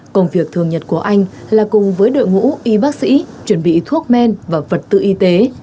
công việc thường nhật của anh là cùng với đội ngũ y bác sĩ chuẩn bị thuốc men và vật tư y tế